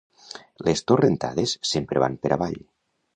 Les torrentades sempre van per avall.